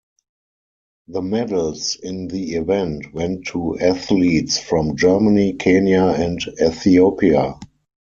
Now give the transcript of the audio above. The medals in the event went to athletes from Germany, Kenya, and Ethiopia.